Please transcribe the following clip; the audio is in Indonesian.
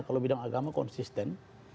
kalau bidang agama konsisten